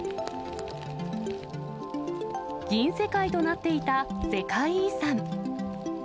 銀世界となっていた世界遺産。